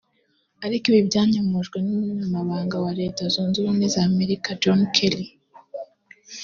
Ariko ibi byanyomojwe n’Umunyamabanga wa Leta Zunze ubumwe za Amerika John Kelly